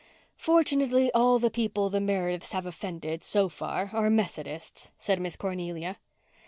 "Fortunately, all the people the Merediths have offended so far are Methodists," said Miss Cornelia.